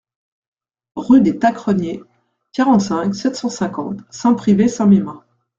Rue des Tacreniers, quarante-cinq, sept cent cinquante Saint-Pryvé-Saint-Mesmin